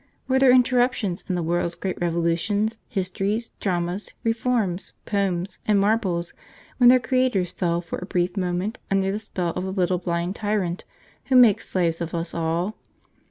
Were there interruptions in the world's great revolutions, histories, dramas, reforms, poems, and marbles when their creators fell for a brief moment under the spell of the little blind tyrant who makes slaves of us all?